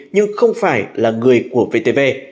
nhưng không phải là người của vtv